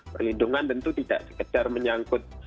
perlindungan tentu tidak sekedar menyangkut